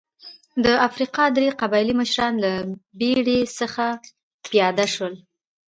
د افریقا درې قبایلي مشران له بېړۍ څخه پیاده شول.